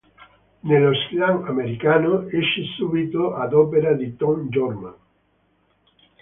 Nello Slam americano esce subito ad opera di Tom Gorman.